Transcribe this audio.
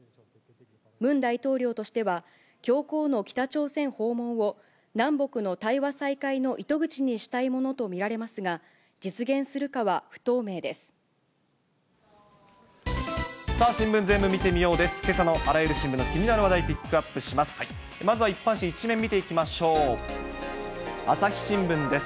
ムン大統領としては、教皇の北朝鮮訪問を南北の対話再開の糸口にしたいものと見られますが、実現するかは不透明です。